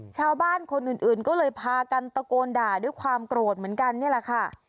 ชาวบ้านคนอื่นก็เลยพากันตะโกนด่าด้วยความโกรธเหมือนกันนี่แหละค่ะ